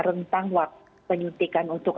rentang penyutikan untuk